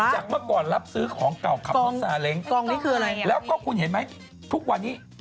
จากเมื่อก่อนรับซื้อของเก่าขาวสาเล้งแล้วก็คุณเห็นไหมทุกวันนี้